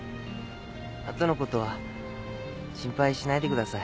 後のことは心配しないでください。